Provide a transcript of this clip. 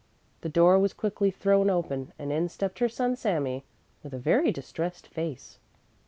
The door was quickly thrown open and in stepped her son Sami with a very distressed face.